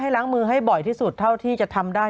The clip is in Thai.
ล้างมือให้บ่อยที่สุดเท่าที่จะทำได้